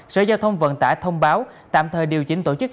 sở giao thông vận tải thông báo tạm thời